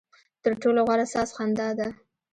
ترټولو غوره ساز خندا ده.